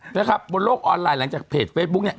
นะครับบนโลกออนไลน์หลังจากเพจเฟซบุ๊กเนี่ย